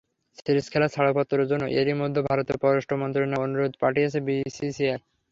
Series খেলার ছাড়পত্রের জন্য এরই মধ্যে ভারতের পররাষ্ট্র মন্ত্রণালয়ে অনুরোধ পাঠিয়েছে বিসিসিআই।